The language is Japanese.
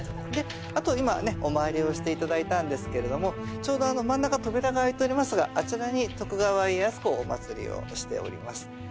あと今ねお参りをして頂いたんですけれどもちょうどあの真ん中扉が開いておりますがあちらに徳川家康公をお祭りをしております。